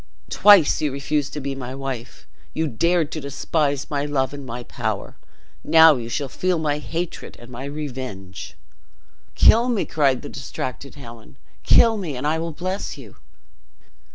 Twice you refused to be my wife; you dared to despise my love and my power; now you shall feel my hatred and my revenge!" "Kill me!" cried the distracted Helen; "kill me and I will bless you!"